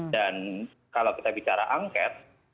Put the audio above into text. dan kalau kita bicara angket